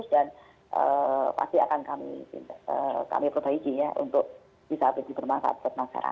pasti akan kami perbaiki ya untuk bisa lebih bermanfaat buat masyarakat